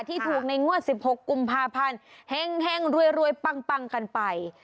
ที่ถูกในงวด๑๖กุมภาพันธ์เฮ่งรวยปังกันไป